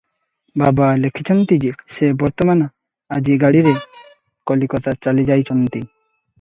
"ବାବା ଲେଖିଚନ୍ତି ଯେ- ସେ ବର୍ତ୍ତମାନ ଆଜି ଗାଡ଼ିରେ କଲିକତା ଚାଲିଯାଇଚନ୍ତି ।